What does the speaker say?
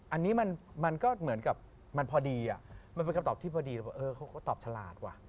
อันนี้มันก็เหมือนกับมันพอดีมันเป็นคำตอบที่พอดีเขาก็ตอบฉลาดว่ะ